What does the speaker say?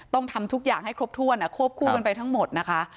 ต้องทำทุกอย่างให้ครบถ้วนควบคู่กันไปทั้งหมดนะคะ